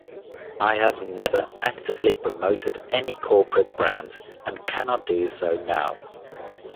I have never actively promoted any corporate brand, and cannot do so now.